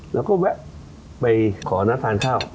แล้วก็แวะไปขอนัดทานข้าว